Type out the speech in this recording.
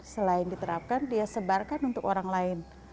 selain diterapkan dia sebarkan untuk orang lain